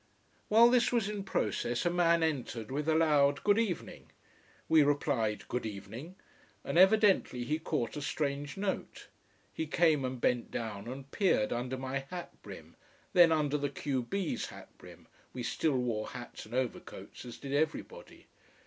While this was in process a man entered with a loud Good evening. We replied Good evening and evidently he caught a strange note. He came and bent down and peered under my hat brim, then under the q b's hat brim, we still wore hats and overcoats, as did everybody.